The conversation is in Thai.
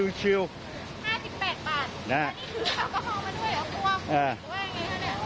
๕๘บาทอันนี้ถือเอาก็เอามาด้วยเหรอกลัวหรือว่ายังไงคะเนี่ย